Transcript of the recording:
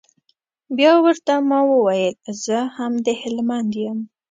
بيا ورته ما وويل زه هم د هلمند يم.